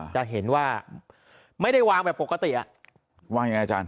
จะเห็นว่าไม่ได้วางแบบปกติอ่ะว่ายังไงอาจารย